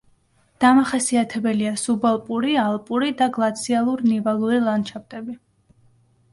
დამახასიათებელია სუბალპური, ალპური და გლაციალურ-ნივალური ლანდშაფტები.